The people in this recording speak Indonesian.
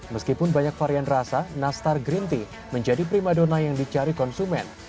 meskipun banyak varian rasa nastar green tea menjadi prima dona yang dicari konsumen